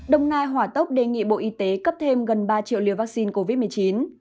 đồng nai hỏa tốc đề nghị bộ y tế cấp thêm gần ba triệu liều vaccine covid một mươi chín